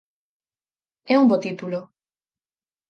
É un bo título.